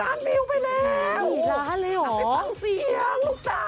๔ล้านเลยเหรออีกแล้วลูกสาว